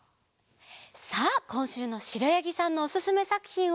さあこんしゅうのしろやぎさんのおすすめさくひんは？